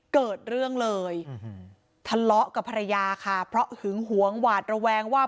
เกิดเรื่องเลยทะเลาะกับภรรยาค่ะเพราะหึงหวงหวาดระแวงว่า